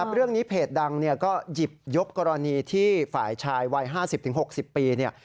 เรื่องนี้เพจดังก็หยิบยกกรณีที่ฝ่ายชายวัย๕๐๖๐ปี